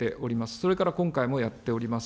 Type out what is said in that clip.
それから今回もやっております。